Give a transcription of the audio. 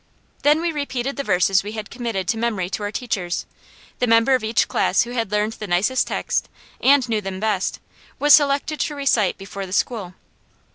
Then we repeated the verses we had committed to memory to our teachers; the member of each class who had learned the nicest texts, and knew them best, was selected to recite before the school.